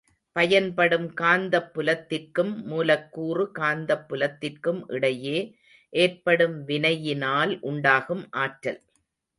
பயன்படும் காந்தப்புலத்திற்கும் மூலக்கூறு காந்தப் புலத்திற்கும் இடையே ஏற்படும் வினையினால் உண்டாகும் ஆற்றல்.